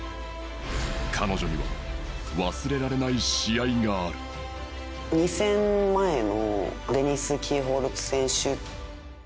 彼女には忘れられない試合がある２戦前のデニス・キールホルツ選手